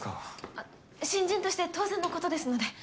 あっ新人として当然のことですので。